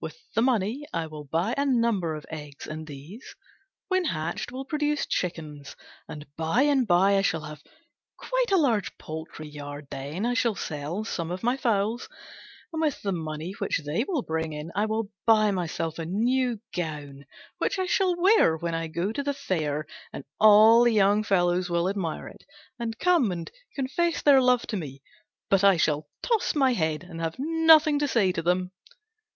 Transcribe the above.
With the money I will buy a number of eggs, and these, when hatched, will produce chickens, and by and by I shall have quite a large poultry yard. Then I shall sell some of my fowls, and with the money which they will bring in I will buy myself a new gown, which I shall wear when I go to the fair; and all the young fellows will admire it, and come and make love to me, but I shall toss my head and have nothing to say to them."